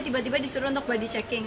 tiba tiba disuruh untuk body checking